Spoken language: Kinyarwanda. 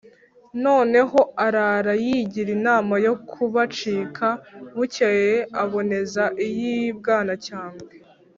noneho arara yigira inama yo kubacika; bukeye aboneza iy'i Bwanacyambwe